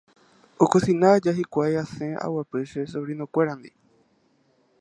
Okosina aja hikuái asẽ aguapy che sobrinokuérandi